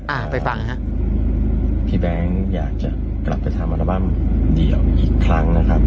อ่าไปฟังฮะพี่แบงค์อยากจะกลับไปทำอัลบั้มเดี่ยวอีกครั้งนะครับ